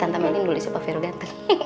tante meli dulu sih pak vero ganteng